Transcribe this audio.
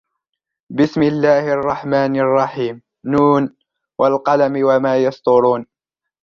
بِسْمِ اللَّهِ الرَّحْمَنِ الرَّحِيمِ ن وَالْقَلَمِ وَمَا يَسْطُرُونَ